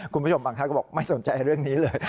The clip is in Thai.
คุณผู้ชมบางท่านก็บอกไม่สนใจเรื่องนี้เลย